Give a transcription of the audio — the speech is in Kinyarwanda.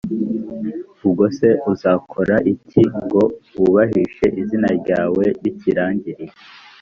ubwo se uzakora iki ngo wubahishe izina ryawe ry’ikirangirire?